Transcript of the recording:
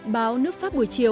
báo nước pháp buổi chiều